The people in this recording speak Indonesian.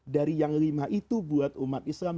dari yang lima itu buat umat islam